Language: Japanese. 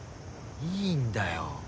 いいんだよ。